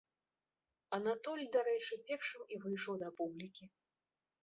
Анатоль, дарэчы, першым і выйшаў да публікі.